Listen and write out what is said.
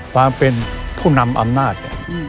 ความเป็นผู้นำอำนาจ